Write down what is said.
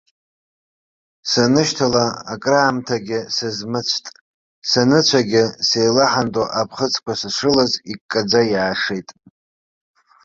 Санышьҭала акраамҭагьы сызмыцәт, саныцәагьы сеилаҳанто аԥхыӡқәа сышрылаз иккаӡа иаашеит.